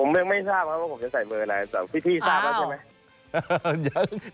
ผมยังไม่ทราบว่าจะใส่เมือไหนเสียงพี่ที่ทราบแล้วใช่มั้ย